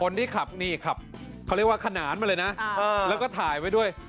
ที่ขับนี่ขับเขาเรียกว่าขนานมาเลยนะแล้วก็ถ่ายไว้ด้วย